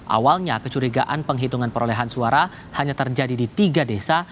awalnya kecurigaan penghitungan perolehan suara hanya terjadi di tiga desa